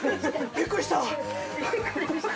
びっくりした。